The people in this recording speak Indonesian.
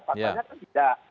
pak pernah kan tidak